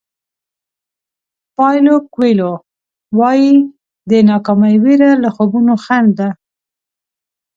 پایلو کویلو وایي د ناکامۍ وېره له خوبونو خنډ ده.